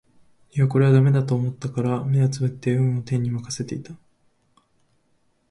いやこれは駄目だと思ったから眼をねぶって運を天に任せていた